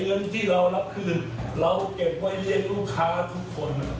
เงินที่เรารับคือเราเก็บไว้ให้ลูกค้าทุกคน